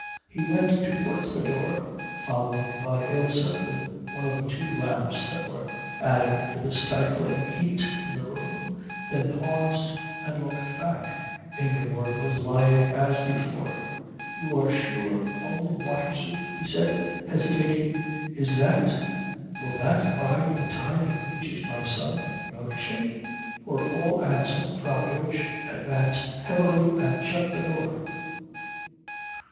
He went towards the door, followed by Ilse with one of the two lamps that were adding to the stifling heat in the room, then paused and looked back. Ingeborg was lying as before. "You are sure only water soup?" he said, hesitating. "Is that will that by the time it reaches my son nourish him?" For all answer Frau Dosch advanced heavily and shut the door.